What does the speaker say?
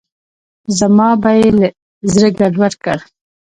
زما به یې زړه ګډوډ کړ.